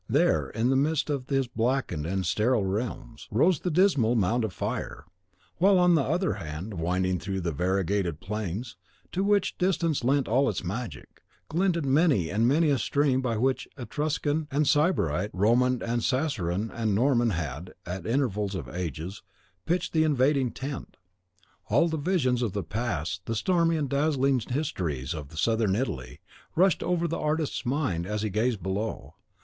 There, in the midst of his blackened and sterile realms, rose the dismal Mount of Fire; while on the other hand, winding through variegated plains, to which distance lent all its magic, glittered many and many a stream by which Etruscan and Sybarite, Roman and Saracen and Norman had, at intervals of ages, pitched the invading tent. All the visions of the past the stormy and dazzling histories of Southern Italy rushed over the artist's mind as he gazed below.